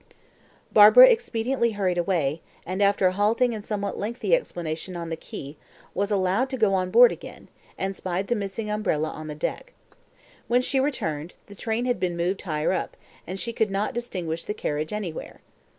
Barbara obediently hurried away, and after a halting and somewhat lengthy explanation on the quay, was allowed to go on board again, and spied the missing umbrella on the deck. When she returned, the train had been moved higher up, and she could not distinguish the carriage anywhere.